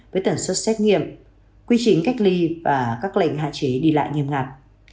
với tần suất xét nghiệm quy trình cách ly và các lệnh hạn chế đi lại nghiêm ngặt